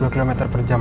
empat puluh km per jam